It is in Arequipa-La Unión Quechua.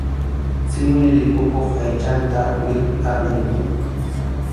Simip rikukuq aychanta wirpʼa ninkum.